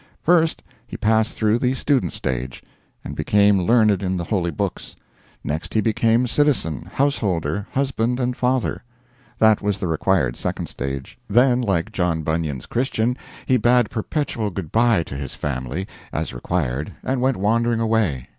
First, he passed through the student stage, and became learned in the holy books. Next he became citizen, householder, husband, and father. That was the required second stage. Then like John Bunyan's Christian he bade perpetual good bye to his family, as required, and went wandering away.